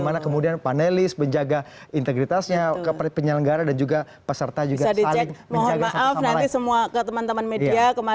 maksudnya mereka harus mengerti